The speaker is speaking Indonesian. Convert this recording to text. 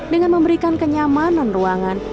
dengan memberikan kenyamanan ruangan